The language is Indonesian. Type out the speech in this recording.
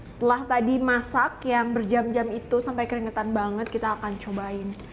setelah tadi masak yang berjam jam itu sampai keringetan banget kita akan cobain